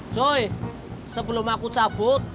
coy sebelum aku cabut